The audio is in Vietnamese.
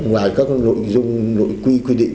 ngoài các nội dung nội quy quy định